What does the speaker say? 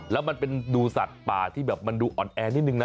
แล้วมันเป็นดูสัตว์ป่าที่แบบมันดูอ่อนแอนิดนึงนะ